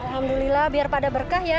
alhamdulillah biarpada berkah ya